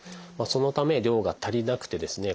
そのため量が足りなくてですね